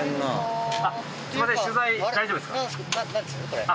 これ。